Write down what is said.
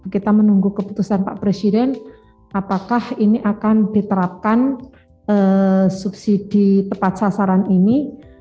kita menunggu keputusan pak presiden apakah ini akan diterapkan subsidi tepat sasaran ini